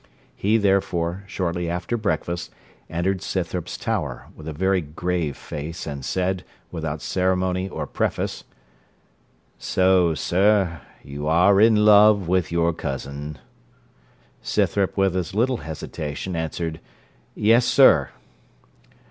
He, therefore, shortly after breakfast, entered Scythrop's tower, with a very grave face, and said, without ceremony or preface, 'So, sir, you are in love with your cousin.' Scythrop, with as little hesitation, answered, 'Yes, sir.'